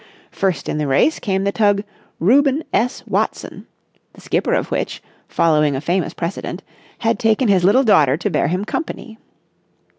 First in the race came the tug "Reuben S. Watson," the skipper of which, following a famous precedent, had taken his little daughter to bear him company.